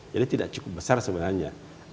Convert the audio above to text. jadi tidak cukup besar sebenarnya